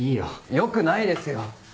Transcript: よくないですよ。